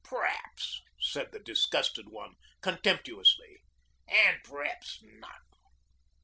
'P'raps,' said the disgusted one contemptuously, 'an' p'raps not.